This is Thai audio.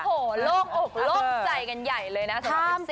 โอ้โฮโรงออกใจกันใหญ่เลยนะสำหรับพี่ซี